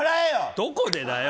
どこでだよ。